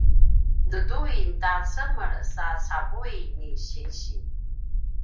duduin ta cemel sa cavui ni sinsi